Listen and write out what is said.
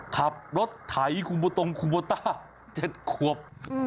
ขับรถไถคลูปต้องคลูปป้า๗ขวบ